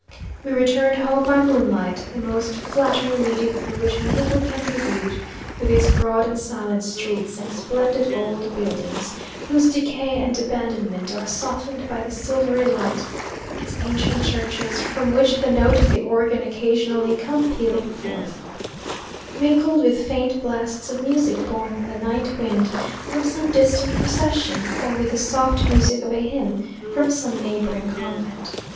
We returned home by moonlight, the most flattering medium through which Mexico can be viewed; with its broad and silent streets, and splendid old buildings, whose decay and abandonment are softened by the silvery light; its ancient churches, from which the notes of the organ occasionally come pealing forth, mingled with faint blasts of music borne on the night wind from some distant procession; or with the soft music of a hymn from some neighbouring convent.